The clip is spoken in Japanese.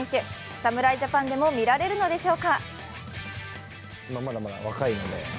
侍ジャパンでも見られるのでしょうか？